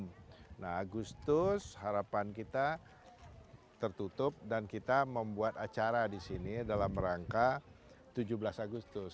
nah agustus harapan kita tertutup dan kita membuat acara di sini dalam rangka tujuh belas agustus